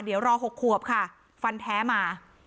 เดี๋ยวรอ๖ขวบค่ะฟันแท้มา